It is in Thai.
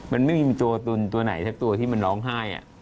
มันไม่มีตัวตุนตัวไหนสักตัวที่มันร้องไห้